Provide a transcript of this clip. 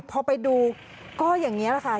พอไปดูก็อย่างนี้ค่ะ